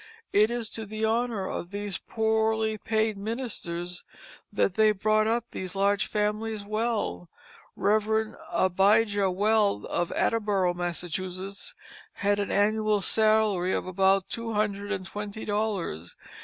It is to the honor of these poorly paid ministers that they brought up these large families well. Rev. Abijah Weld, of Attleboro, Massachusetts, had an annual salary of about two hundred and twenty dollars.